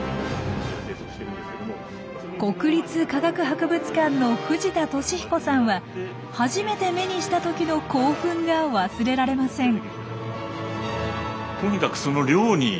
国立科学博物館の藤田敏彦さんは初めて目にしたときの興奮が忘れられません。